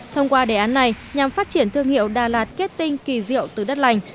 thông qua đề án này nhằm phát triển thương hiệu đà lạt kết tinh kỳ diệu từ đất lành